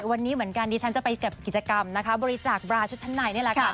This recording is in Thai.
วันนี้เหมือนกันดิฉันจะไปกับกิจกรรมบริจาคบาร์ชุดทะไหนเนี่ยแหละกัน